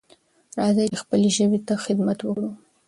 راځئ چې خپلې ژبې ته خدمت وکړو.